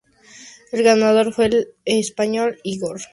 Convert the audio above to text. El ganador fue el español Igor Astarloa.